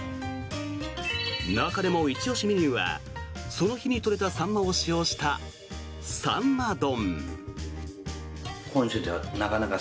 中でもイチ押しメニューはその日に取れたサンマを使用したさんま丼。